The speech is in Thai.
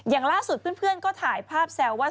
อย่างล่าสุดเพื่อนก็ถ่ายภาพแซวว่า